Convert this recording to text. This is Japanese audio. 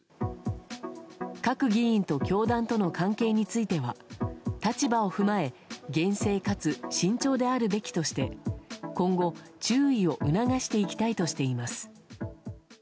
各議員と教団との関係については立場を踏まえ厳正かつ慎重であるべきとして今後、注意を促していきたいとしています。